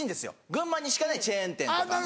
群馬にしかないチェーン店とか。